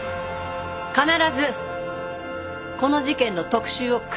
必ずこの事件の特集を組みます！